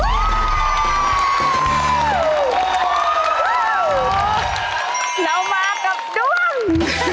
เรามากับดวง